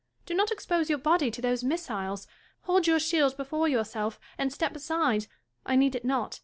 Do not expose your body to those missiles. Hold your shield before yourself, and step aside. I need it not.